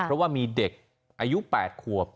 เพราะว่ามีเด็กอายุ๘ขวบ